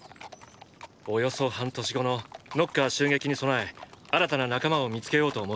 およそ半年後のノッカー襲撃に備え新たな仲間を見つけようと思う。